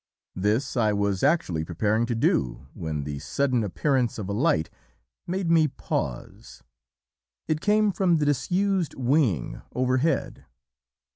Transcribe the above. This I was actually preparing to do when the sudden appearance of a light made me pause it came from the disused wing overhead.